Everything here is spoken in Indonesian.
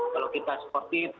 kalau kita sportif